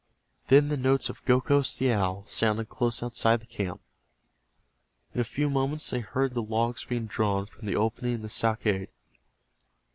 Then the notes of Gokhos, the owl, sounded close outside the camp. In a few moments they heard the logs being drawn from the opening in the stockade.